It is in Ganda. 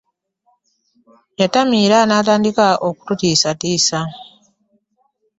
Yatamiira n'atandika okututiisatiisa.